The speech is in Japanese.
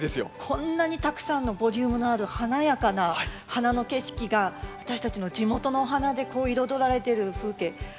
こんなにたくさんのボリュームのある華やかな花の景色が私たちの地元のお花で彩られてる風景圧巻で私も感動しております。